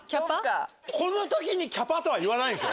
この時に「きゃぱ」とは言わないんでしょ？